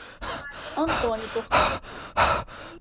Antônio Torquato